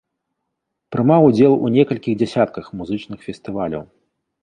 Прымаў удзел у некалькіх дзясятках музычных фестываляў.